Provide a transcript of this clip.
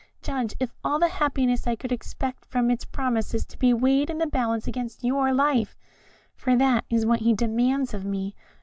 Judge if all the happiness I could expect from its promises is to be weighed in the balance against your life for that is what he demands of me.